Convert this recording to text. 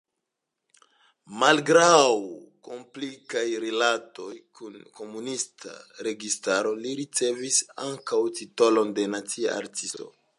Malgraŭ komplikaj rilatoj kun komunista registaro li ricevis ankaŭ titolon de Nacia artisto.